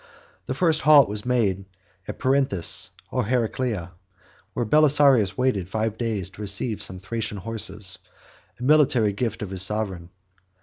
The first halt was made at Perinthus or Heraclea, where Belisarius waited five days to receive some Thracian horses, a military gift of his sovereign.